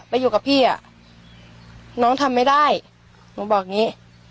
ไปอยู่กับพี่อ่ะน้องทำไม่ได้หนูบอกอย่างนี้